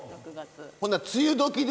ほんなら梅雨どきで